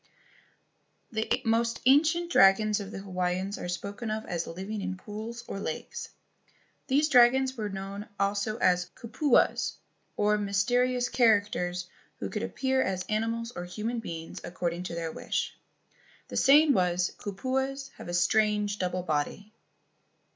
The most ancient dragons of the Hawaiians are spoken of as living in pools or lakes. These dragons were known also as kupuas, or mysterious characters who could appear as animals or human beings according to their wish. The saying was: "Kupuas have a strange double body."